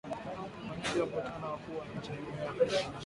mwenyeji wa mkutano wa wakuu wa nchi za jumuia ya Afrika mashariki